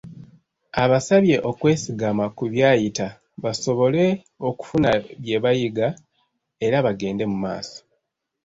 Abasabye okwesigama ku byayita basobole okufuna bye bayiga era bagende mu maaso.